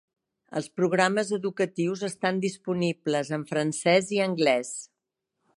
Els programes educatius estan disponibles en francès i anglès.